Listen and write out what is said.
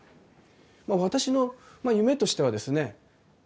私の夢としてはですね